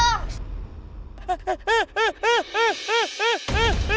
eh ini sebenarnya